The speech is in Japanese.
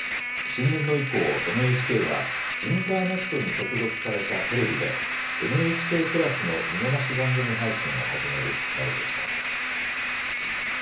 新年度以降、ＮＨＫはインターネットに接続されたテレビでＮＨＫプラスの見逃し番組配信を始めるなどとしています。